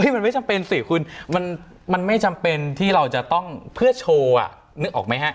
มันไม่จำเป็นสิคุณมันไม่จำเป็นที่เราจะต้องเพื่อโชว์นึกออกไหมฮะ